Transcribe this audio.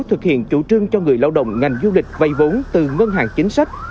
và chủ trương cho người lao động ngành du lịch vay vốn từ ngân hàng chính sách